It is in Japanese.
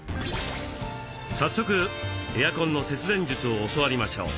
早速エアコンの節電術を教わりましょう。